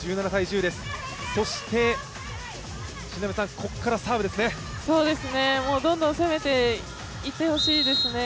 そしてここからサーブですね。